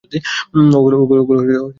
ওগুলো আমাদের সুরক্ষা পদ্ধতি।